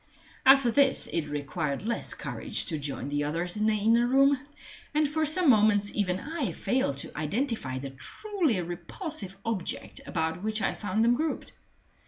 After this it required less courage to join the others in the inner room; and for some moments even I failed to identify the truly repulsive object about which I found them grouped.